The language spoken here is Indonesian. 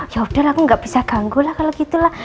ya udah aku gak bisa ganggu lah kalau gitu lah